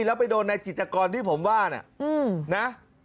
แล้วไปโดนในจิตกรที่ผมว่านะ